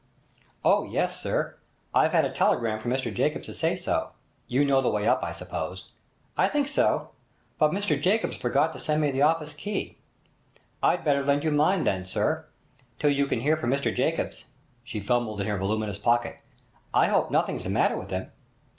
'Oh yes, sir! I've had a telegram from Mr Jacobs to say so. You know the way up, I suppose.' 'I think so. But Mr Jacobs forgot to send me the office key.' 'I'd better lend you mine, then, sir, till you can hear from Mr Jacobs.' She fumbled in her voluminous pocket. 'I hope nothing's the matter with him?'